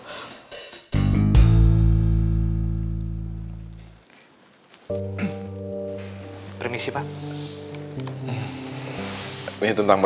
saya mohon kepada bapak untuk bapak mempertimbangkan lagi keputusan saya